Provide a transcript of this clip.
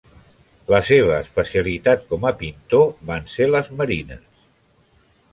La seva especialitat com a pintor van ser les marines.